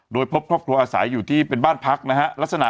โดยพบครอบครัวอาศัยอยู่ที่เป็นบ้านพักนะฮะลักษณะ